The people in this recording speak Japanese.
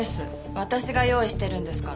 私が用意してるんですから。